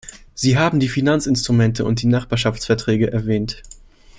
Sie haben die Finanzinstrumente und die Nachbarschaftsverträge erwähnt.